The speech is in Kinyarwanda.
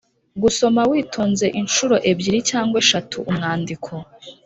gusoma witonze, inshuro ebyiri cyangwa eshatu umwandiko